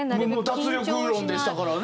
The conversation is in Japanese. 脱力論でしたからね。